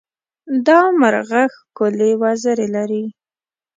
دا مرغه ښکلې وزرې لري.